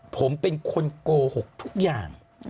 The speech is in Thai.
ผมเป็นคนโกหกทุกอย่าง